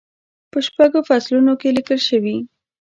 په شپږو فصلونو کې لیکل شوې.